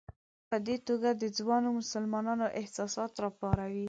په دې توګه د ځوانو مسلمانانو احساسات راپاروي.